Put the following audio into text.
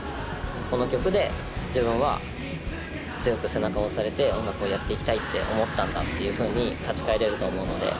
この曲で自分は強く背中を押されて音楽をやっていきたいって思ったんだっていうふうに立ち返れると思うので。